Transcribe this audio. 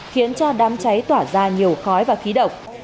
khiến cho đám cháy tỏa ra nhiều khói và khí độc